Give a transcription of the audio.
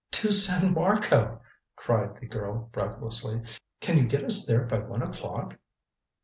"To San Marco," cried the girl breathlessly. "Can you get us there by one o'clock?"